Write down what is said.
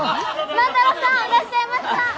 万太郎さんいらっしゃいました！